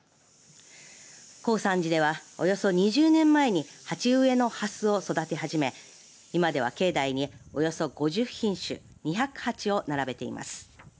耕三寺では、およそ２０年前に鉢植えのハスを育て始め今では境内に、およそ５０品種２００鉢を並べています。